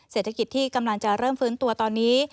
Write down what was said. เศรษฐกิจที่กำลังจะเริ่มฟื้นตัวตอนนี้